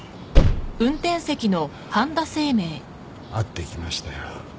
会ってきましたよ。